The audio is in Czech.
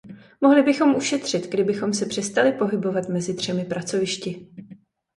Mohli bychom ušetřit, kdybychom se přestali pohybovat mezi třemi pracovišti.